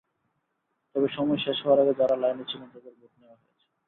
তবে সময় শেষ হওয়ার আগে যাঁরা লাইনে ছিলেন, তাঁদের ভোট নেওয়া হয়েছে।